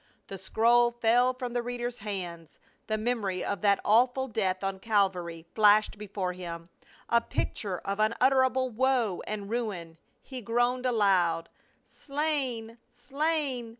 The scroll fell from the reader's hands, the memory of that awful death on Calvary flashed before him, a picture of un utterable woe and ruin. He groaned aloud. " Slain, slain